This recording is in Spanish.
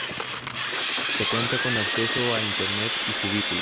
Se cuenta con acceso a Internet y cubículos.